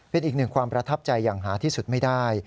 เป็นอีกหนึ่งความประทับใจอย่างหาที่สุดไม่ได้